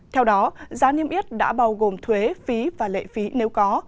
theo đó giá niêm yết đã bao gồm thuế phí và lệ phí nếu có